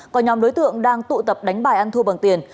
có nhóm đối tượng đang tụ tập đánh bài ăn thua bằng tiền